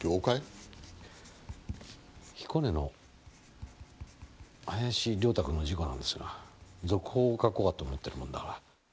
彦根の林良太君の事故なんですが続報を書こうかと思ってるもんだから。